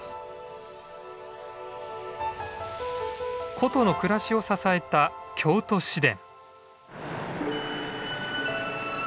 古都の暮らしを支えた京都市電。